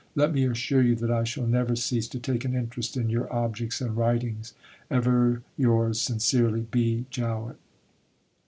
Let me assure you that I shall never cease to take an interest in your objects and writings. Ever yours sincerely, B. JOWETT.